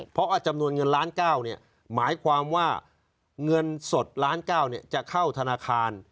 เพราะว่าจำนวนเงินล้าน๙หมายความว่าเงินสดล้าน๙จะเข้าธนาคาร